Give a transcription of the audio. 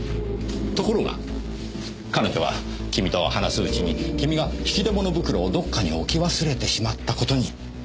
ところが彼女はキミと話すうちにキミが引き出物袋をどこかに置き忘れてしまった事に気付いた。